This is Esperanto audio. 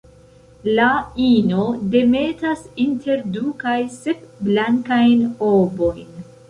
La ino demetas inter du kaj sep blankajn ovojn.